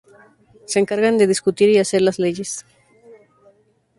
Se encargan de discutir y hacer las leyes.